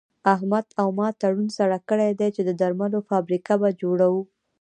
احمد او ما تړون سره کړی دی چې د درملو فابريکه به جوړوو.